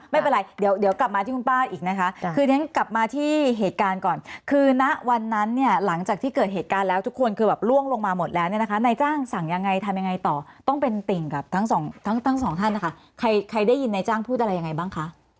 ไม่เป็นไรเดี๋ยวกลับมาที่คุณป้าอีกนะคะคือฉันกลับมาที่เหตุการณ์ก่อนคือณวันนั้นเนี่ยหลังจากที่เกิดเหตุการณ์แล้วทุกคนคือแบบล่วงลงมาหมดแล้วเนี่ยนะคะนายจ้างสั่งยังไงทำยังไงต่อต้องเป็นติ่งกับทั้งสองทั้งสองท่านนะคะใครได้ยินนายจ้างพูดอะไรยังไงบ้างคะ